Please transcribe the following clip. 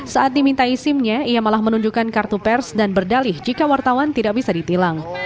saat dimintai simnya ia malah menunjukkan kartu pers dan berdalih jika wartawan tidak bisa ditilang